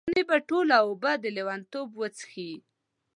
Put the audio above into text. ونې به ټوله اوبه، د لیونتوب وچیښي